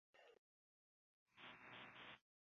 Estas restaĵoj de antaŭromia epoko.